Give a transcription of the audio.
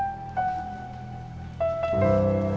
ini buat mama